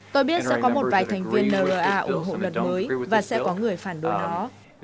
tôi biết sẽ có một vài thành viên nra ủng hộ luật mới và sẽ có người phản đối nó